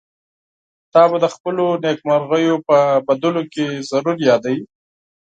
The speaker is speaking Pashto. تا به د خپلو نېکمرغيو په سندرو کې ضرور يادوي.